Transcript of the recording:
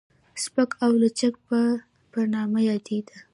سپک او لچک به په نامه يادېده.